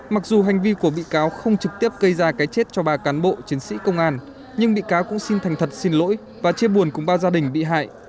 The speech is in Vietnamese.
mặc dù hành vi của bị cáo không trực tiếp gây ra cái chết cho ba cán bộ chiến sĩ công an nhưng bị cáo cũng xin thành thật xin lỗi và chia buồn cùng ba gia đình bị hại